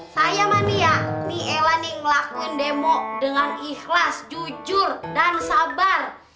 saya mah nih ya nih ella nih ngelakuin demo dengan ikhlas jujur dan sabar